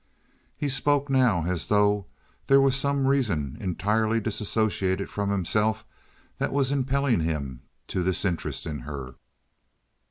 He spoke now as though there were some reason entirely disassociated from himself that was impelling him to this interest in her.